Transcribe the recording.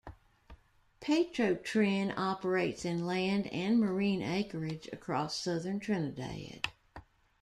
Petrotrin operates in land and marine acreage across southern Trinidad.